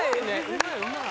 うまいうまい！